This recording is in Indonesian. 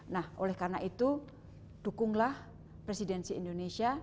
nah oleh karena itu dukunglah presidensi indonesia